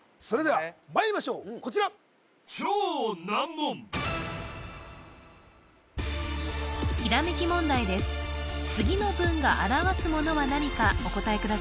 それではまいりましょうこちら次の文が表すものは何かお答え